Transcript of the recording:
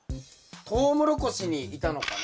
トウモロコシにいたのかな？